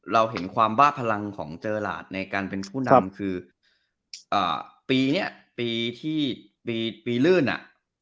เราเห็นความบ้าพลังของเจอหลาดในการเป็นผู้นำคือปีนี้ปีที่ปีลื่นอ่ะ